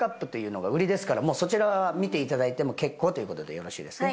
そちらは見ていただいても結構ということでよろしいですね？